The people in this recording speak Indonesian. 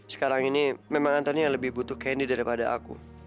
sekarang ini memang antoni yang lebih butuh candy daripada aku